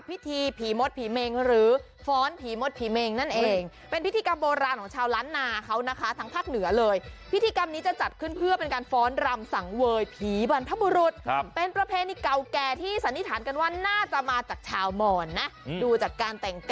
ผีมดผีแม่งทำอะไรยังไงเพื่ออะไรไปดูค่ะ